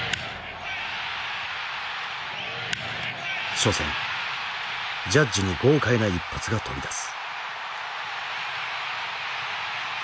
初戦ジャッジに豪快な一発が飛び出す。